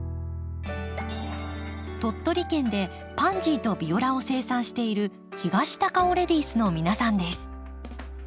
鳥取県でパンジーとビオラを生産している東高尾レディースの皆さんです。